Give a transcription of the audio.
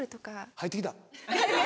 入ってきた。